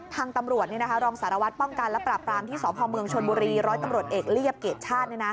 ทางตำรวจรองสารวัตรป้องกันและปราบรามที่สพเมืองชนบุรีร้อยตำรวจเอกเรียบเกรดชาติ